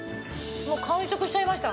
もう完食しちゃいました。